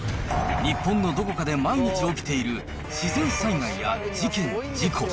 日本のどこかで毎日起きている自然災害や事件、事故。